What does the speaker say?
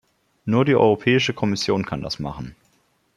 Nur die Europäische Kommission kann das machen.